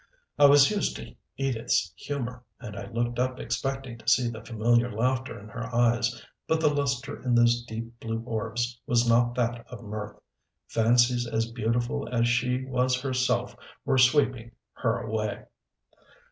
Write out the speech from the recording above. I was used to Edith's humor, and I looked up expecting to see the familiar laughter in her eyes. But the luster in those deep, blue orbs was not that of mirth. Fancies as beautiful as she was herself were sweeping her away....